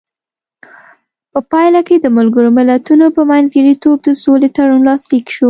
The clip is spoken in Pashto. په پایله کې د ملګرو ملتونو په منځګړیتوب د سولې تړون لاسلیک شو.